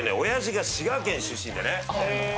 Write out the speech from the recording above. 親父が滋賀県出身でね